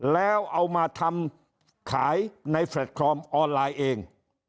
แล้วเอามาทำขายในแฟลตคอมออนไลน์เอง